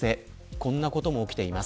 こんなことも起きています。